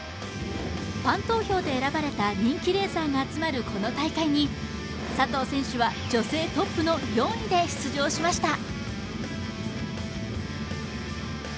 ファン投票で選ばれた人気レーサーが集まるこの大会に佐藤選手は女性トップの４位で出場しました。